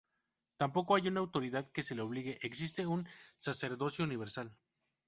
Tampoco hay una autoridad que le obligue: existe un sacerdocio universal.